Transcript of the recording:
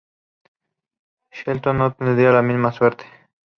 Shelton no tendría la misma suerte.